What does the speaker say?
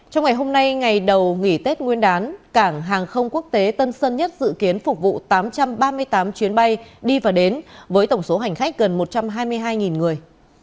trong ngày hôm nay ngày đầu nghỉ tết nguyên đán cảng hàng không quốc tế tân sơn nhất dự kiến phục vụ tám trăm ba mươi tám chuyến bay đi và đến với tổng số hành khách gần một trăm hai mươi hai người